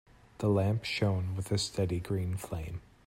The lamp shone with a steady green flame.